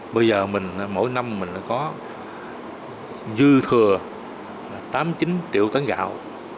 bây giờ mình mỗi năm mình có dư thừa tám chín triệu tấn gạo